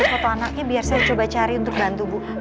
foto anaknya biar saya coba cari untuk bantu bu